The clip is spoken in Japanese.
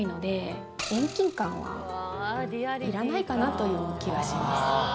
という気がします。